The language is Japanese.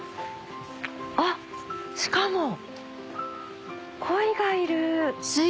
あっしかもコイがいる。